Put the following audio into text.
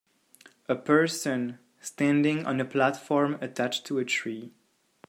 A person standing on a platform attached to a tree.